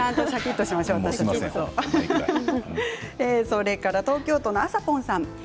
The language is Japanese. それから東京都の方からです。